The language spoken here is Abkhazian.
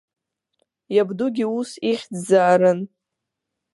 Иабдугьы ус ихьӡзаарын.